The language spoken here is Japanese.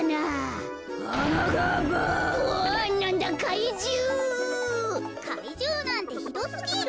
かいじゅうなんてひどすぎる。